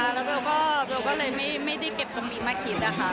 แล้วเบลก็เลยไม่ได้เก็บตรงนี้มาคิดนะคะ